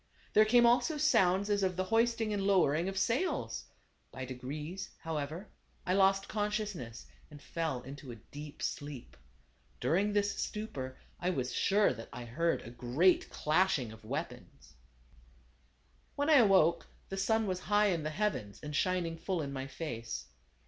There came also sounds as of the hoisting and lowering of sails. By degrees, how ever, I lost consciousness, and fell into a deep sleep. During this stupor I was sure that I heard a great clashing of weapons. 114 THE GAB AVAN. When I awoke, the sun was high in the heavens, and shining full in my face.